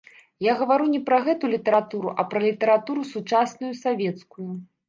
Я гавару не пра гэту літаратуру, а пра літаратуру сучасную савецкую.